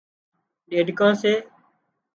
ڏيڏڪان سي